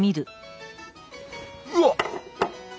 うわっ！